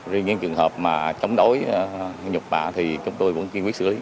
riêng những trường hợp mà chống đối nhục bạ thì chúng tôi vẫn kiên quyết xử